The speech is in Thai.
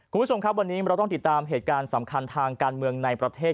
คุณผู้ชมครับวันนี้เราต้องติดตามเหตุการณ์สำคัญทางการเมืองในประเทศ